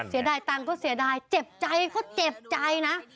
เสียดายตังค์ก็เสียดายเจ็บใจก็เจ็บใจนะ